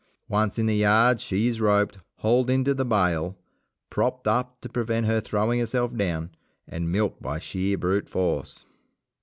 Once in the yard she is roped, hauled into the bail, propped up to prevent her throwing herself down, and milked by sheer brute force.